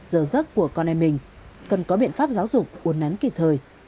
giờ giấc của con em mình cần có biện pháp giáo dục uồn nắn kỳ thời